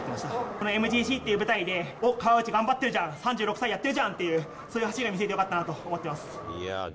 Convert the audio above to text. このＭＧＣという舞台で、川内頑張ってるじゃん、３６歳やってるじゃんという、そういう走りを見せれてよかったなと思ってます。